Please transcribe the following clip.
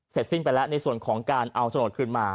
เสร็จสิ้นไปแล้วในส่วนของการเอาสนดขึ้นมา